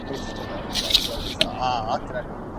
The primary feathers are tipped with black.